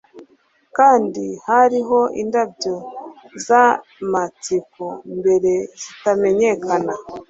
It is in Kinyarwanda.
Kandi hariho indabyo zamatsiko mbere zitamenyekana